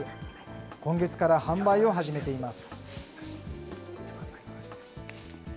今月から販売を始めています。